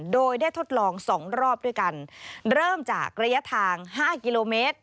โดยได้ทดลองสองรอบด้วยกันเริ่มจากระยะทาง๕กิโลเมตร